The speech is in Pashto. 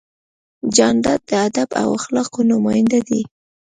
جانداد د ادب او اخلاقو نماینده دی.